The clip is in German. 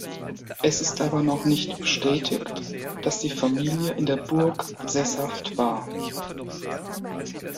Es ist aber noch nicht bestätigt, dass die Familie in der Burg sesshaft war.